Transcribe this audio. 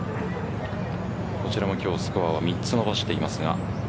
こちらも今日スコアを３つ伸ばしていますが。